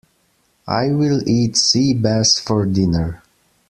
I will eat sea bass for dinner.